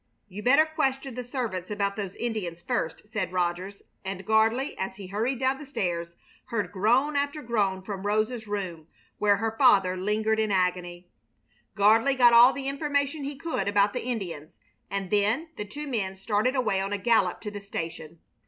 "You better question the servants about those Indians first," said Rogers; and Gardley, as he hurried down the stairs, heard groan after groan from Rosa's room, where her father lingered in agony. Gardley got all the information he could about the Indians, and then the two men started away on a gallop to the station.